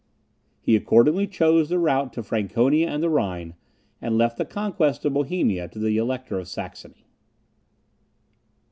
He accordingly chose the route to Franconia and the Rhine; and left the conquest of Bohemia to the Elector of Saxony.